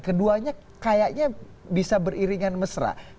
keduanya kayaknya bisa beriringan mesra